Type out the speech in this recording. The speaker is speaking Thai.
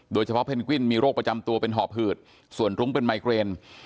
โดยเฉพาะเพนกวินมีโรคประจำตัวเป็นหอบหืดส่วนรุ้งเป็นไมเกรน